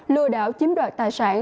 lừa đảo chiếm đoạt tài sản